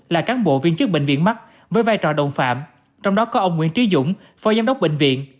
là cán bộ viên chức bệnh viện mắt với vai trò đồng phạm trong đó có ông nguyễn trí dũng phó giám đốc bệnh viện